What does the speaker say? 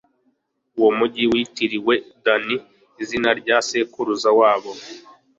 uwo mugi bawitirira dani, izina rya sekuruza wabo